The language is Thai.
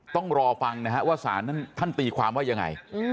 ต้องรอฟังนะฮะว่าสารท่านตีความว่ายังไง